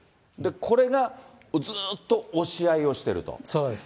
これがずーっと押し合いをしてると。